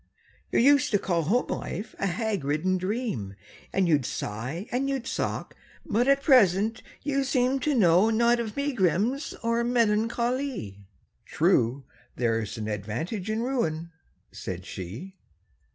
—"You used to call home life a hag ridden dream, And you'd sigh, and you'd sock; but at present you seem To know not of megrims or melancho ly!"— "True. There's an advantage in ruin," said she.